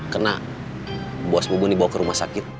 kena bos bubun dibawa ke rumah sakit